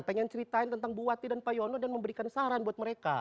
pengen ceritain tentang buwati dan pak yono dan memberikan saran buat mereka